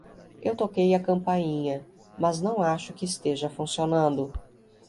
Eu toquei a campainha, mas não acho que esteja funcionando.